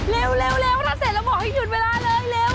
เร็วทำเสร็จแล้วบอกให้หยุดเวลาเลยเร็ว